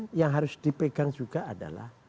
nah yang harus dipegang juga adalah